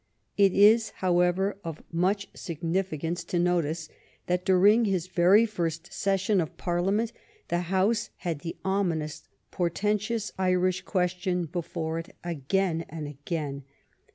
It is, however, of much signifi E 49 50 THE STORY OF GLADSTONE'S LIFE cance to notice that during his very first session of Parliament the House had the ominous, por tentous Irish question before it again and again.